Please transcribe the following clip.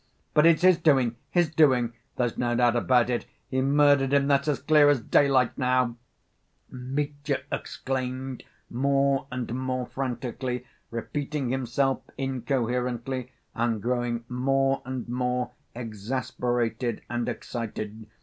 But it's his doing, his doing; there's no doubt about it, he murdered him, that's as clear as daylight now," Mitya exclaimed more and more frantically, repeating himself incoherently, and growing more and more exasperated and excited.